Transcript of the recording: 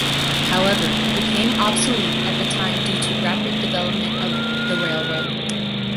However, it became obsolete at that time due to the rapid development of the railroad.